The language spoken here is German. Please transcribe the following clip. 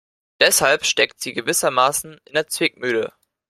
Deshalb steckt sie gewissermaßen in der Zwickmühle.